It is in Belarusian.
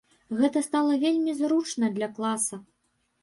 Гэта стала вельмі зручна для класа.